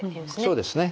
そうですね。